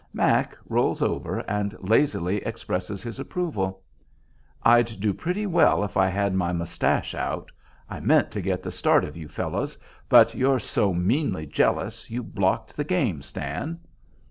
"Mack" rolls over and lazily expresses his approval. "I'd do pretty well if I had my moustache out; I meant to get the start of you fellows, but you're so meanly jealous, you blocked the game, Stan."